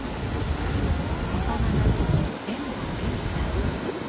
幼なじみの遠藤隆二さん。